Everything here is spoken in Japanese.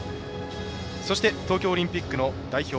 そして、東京オリンピックの代表